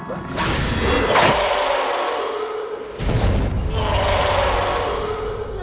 โอ้โอ้โอ้